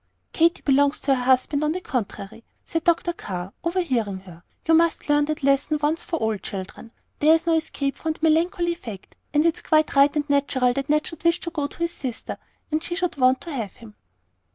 "Katy belongs to her husband, on the contrary," said Dr. Carr, overhearing her; "you must learn that lesson once for all, children. There's no escape from the melancholy fact; and it's quite right and natural that Ned should wish to go to his sister, and she should want to have him."